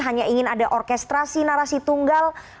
hanya ingin ada orkestrasi narasi tunggal